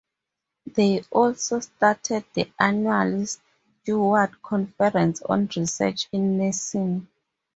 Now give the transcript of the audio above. They also started the annual Stewart Conference on Research in Nursing.